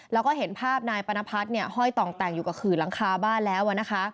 แล้วก็เห็นภาพนายปนพัฒน์ห้อยต่องแต่งอยู่กับขื่อหลังคาบ้านแล้วนะคะ